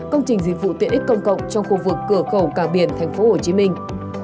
công trình dịch vụ tiện ích công cộng trong khu vực cửa khẩu càng biển thành phố hồ chí minh